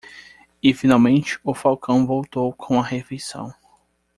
E finalmente o falcão voltou com a refeição.